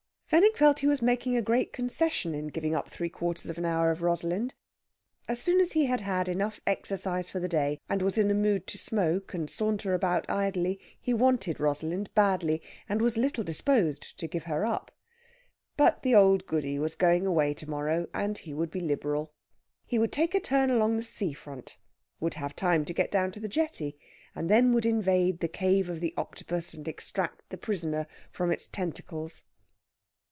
Fenwick felt he was making a great concession in giving up three quarters of an hour of Rosalind. As soon as he had had exercise enough for the day, and was in a mood to smoke and saunter about idly, he wanted Rosalind badly, and was little disposed to give her up. But the old Goody was going away to morrow, and he would be liberal. He would take a turn along the sea front would have time to get down to the jetty and then would invade the cave of the Octopus and extract the prisoner from its tentacles.